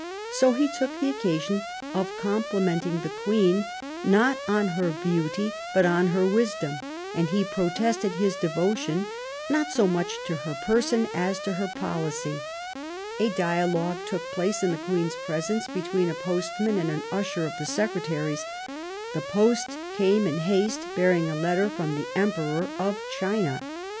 So he took the occasion of complimenting the Queen, not on her beauty, but on her wisdom ; and he protested his devotion, not so much to her person, as to her policy. A dialogue, took place in the Queen's presence between a postman and an usher of the Secretary's. The post came in haste bearing a letter from the Emperor of China.